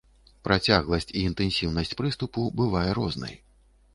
Працягласць і інтэнсіўнасць прыступу бывае рознай.